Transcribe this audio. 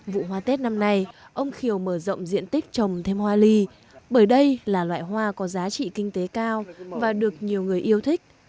vụ hoa tết năm nay ông khiều mở rộng diện tích trồng thêm hoa ly bởi đây là loại hoa có giá trị kinh tế cao và được nhiều người yêu thích